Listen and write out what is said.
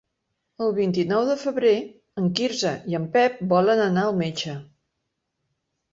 El vint-i-nou de febrer en Quirze i en Pep volen anar al metge.